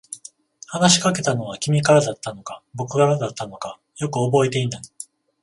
話しかけたのは君からだったのか、僕からだったのか、よく覚えていない。